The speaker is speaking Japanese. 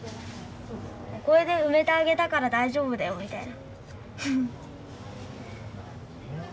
「これで埋めてあげたから大丈夫だよ」みたいな。